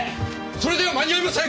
それでは間に合いません！